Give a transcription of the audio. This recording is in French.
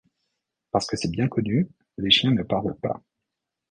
Parce que c'est bien connu, les chiens ne parlent pas.